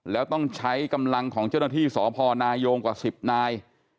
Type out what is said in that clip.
แล้วต้องใช้กำลังของเจ้าหน้าที่สพนายงกว่า๑๐นาย